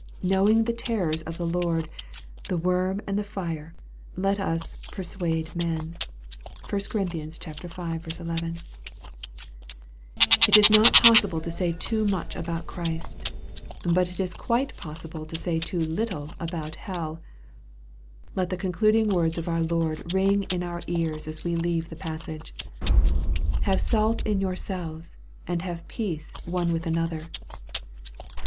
"Knowing the terrors of the Lord," the worm, and the fire, let us " persuade men." (1 Cor. v. 11.) It is 194 EXFOSITOKY THOUGHTS. I not possible to say too much about Christ. But it in quite possible to say too little about hell. Let the concluding words of our Lord ring in our ears, as we leave the passage :" Have salt in yourselves, and have peace one with another."